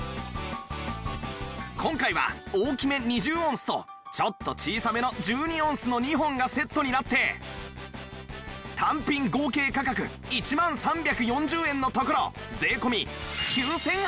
今回は大きめ２０オンスとちょっと小さめの１２オンスの２本がセットになって単品合計価格１万３４０円のところ税込９８００円！